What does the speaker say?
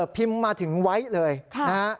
พิมพ์มาถึงไว้เลยนะฮะ